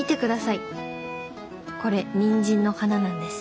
これニンジンの花なんです。